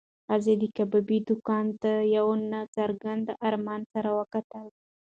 ښځې د کبابي دوکان ته د یو نا څرګند ارمان سره وکتل.